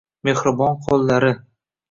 Mehribon qo’llari